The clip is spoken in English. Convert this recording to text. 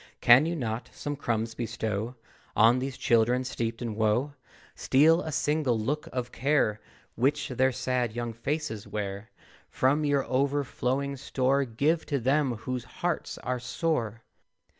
Can you not some crumbs bestow On these Children steeped in woe; Steal a single look of care Which their sad young faces wear; From your overflowing store Give to them whose hearts are sore?